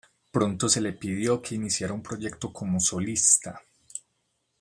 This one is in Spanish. Pronto se le pidió que iniciara un proyecto como solista.